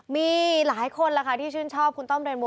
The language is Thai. มีหลายคนล่ะค่ะที่ชื่นชอบคุณต้อมเรนู